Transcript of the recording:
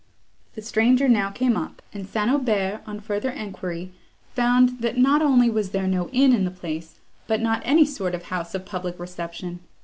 The stranger now came up, and St. Aubert, on further enquiry, found not only that there was no inn in the place, but not any sort of house of public reception.